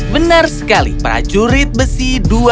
benar sekali prajurit besi dua